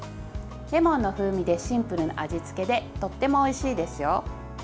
レモンの風味でシンプルな味付けでとってもおいしいですよ。